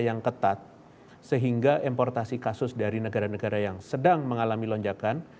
yang ketat sehingga importasi kasus dari negara negara yang sedang mengalami lonjakan